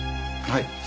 はい。